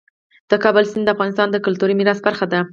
د کابل سیند د افغانستان د کلتوري میراث برخه ده.